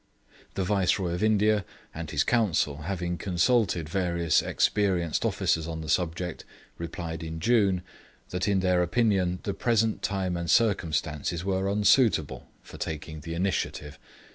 The Viceroy of India and his Council having consulted various experienced officers on the subject, replied in June, that in their opinion the present time and circumstances were unsuitable for taking the initiative.